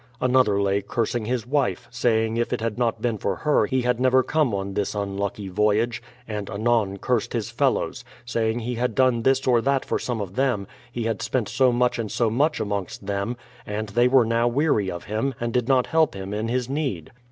Another lay cursing his wife, saying if it had not been for her he had never come on this unlucky voyage; and anon cursed his fellows, saying he had done this or that for some of them, he had spent so much and so much amongst them, and they were now weary of him, and did not help him in his need.